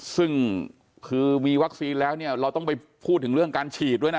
ซึ่งคือมีวัคซีนแล้วเนี่ยเราต้องไปพูดถึงเรื่องการฉีดด้วยนะ